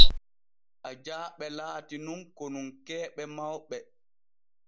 Ajaaɓe laati nun konunkeeɓe mawɓe.